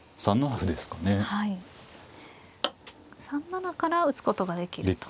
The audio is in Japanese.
３七から打つことができると。